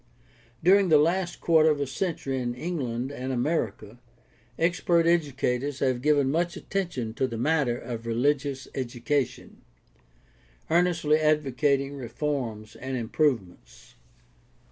During the last quarter of a century in England and America expert educators have given much attention to the matter of religious education, earnestly advocating reforms and improvements.